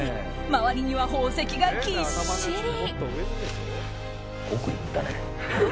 周りには宝石がぎっしり。